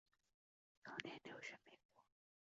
早年留学美国。